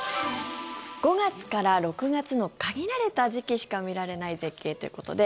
５月から６月の限られた時期しか見られない絶景ということで。